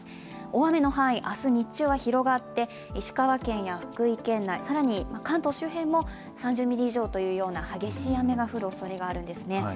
大雨の範囲、明日日中は広がって石川県や福井県内、さらに関東周辺も３０ミリ以上というような激しい雨が降るおそれがあるんです。